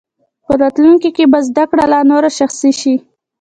په راتلونکي کې به زده کړه لا نوره شخصي شي.